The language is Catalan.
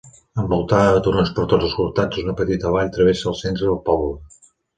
Envoltada de turons per tots costats, una petita vall travessa el centre del poble.